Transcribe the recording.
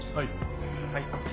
はい。